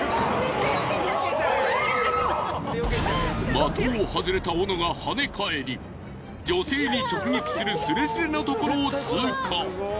的を外れた斧が跳ね返り女性に直撃するスレスレのところを通過。